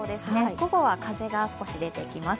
午後は風が少し出てきます。